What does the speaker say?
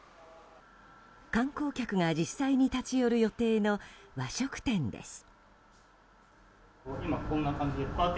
観光客が実際に立ち寄る予定の和食店です。